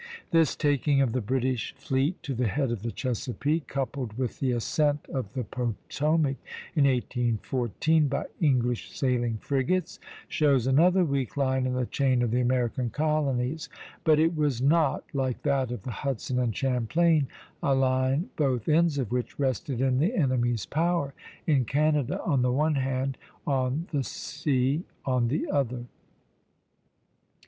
This taking of the British fleet to the head of the Chesapeake, coupled with the ascent of the Potomac in 1814 by English sailing frigates, shows another weak line in the chain of the American colonies; but it was not, like that of the Hudson and Champlain, a line both ends of which rested in the enemy's power, in Canada on the one hand, on the sea on the other.